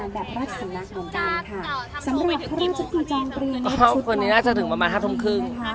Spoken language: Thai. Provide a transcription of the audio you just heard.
แบบรักษณะของเราค่ะสำหรับพระราชกรีจองกรีย์ในสุดประมาณ๕ทุ่มครึ่ง